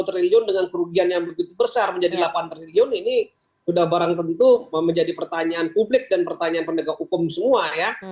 satu triliun dengan kerugian yang begitu besar menjadi delapan triliun ini sudah barang tentu menjadi pertanyaan publik dan pertanyaan pendegak hukum semua ya